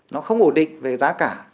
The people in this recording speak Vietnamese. nó không ổ định về giá cả